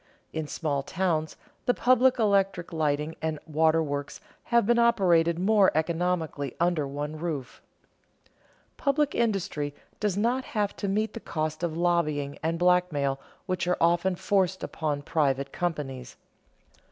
In small towns the public electric lighting and waterworks have been operated more economically under one roof. Public industry does not have to meet the cost of lobbying and blackmail which are often forced upon private companies.